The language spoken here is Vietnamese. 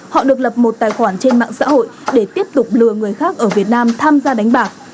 họ được lập một tài khoản trên mạng xã hội để tiếp tục lừa người khác ở việt nam tham gia đánh bạc